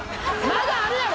まだあるやろ。